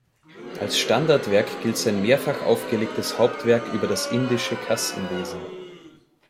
Als Standardwerk gilt sein mehrfach aufgelegtes Hauptwerk über das indische Kastenwesen.